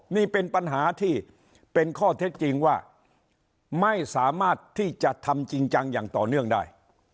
นี่เป็นปัญหาที่เป็นข้อเท็จจริงว่าไม่สามารถที่จะทำจริงจังอย่างต่อเนื่องได้